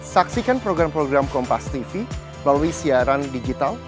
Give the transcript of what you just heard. saksikan program program kompas tv melalui siaran digital